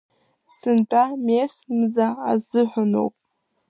Сынтәа мес мза азыҳәаноуп.